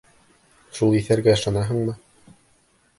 Шул иҫәргә ышанаһыңмы?